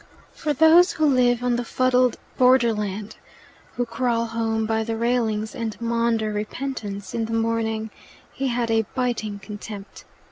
For those who live on the fuddled borderland, who crawl home by the railings and maunder repentance in the morning, he had a biting contempt.